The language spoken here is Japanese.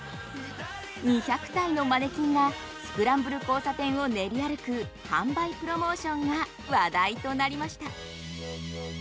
２００体のマネキンがスクランブル交差点を練り歩く販売プロモーションが話題となりました。